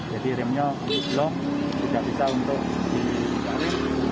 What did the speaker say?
jadi remnya di blok nggak bisa untuk di rem